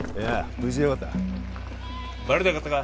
無事でよかったバレなかったか？